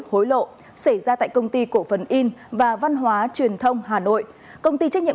hối lộ xảy ra tại công ty cổ phần in và văn hóa truyền thông hà nội công ty trách nhiệm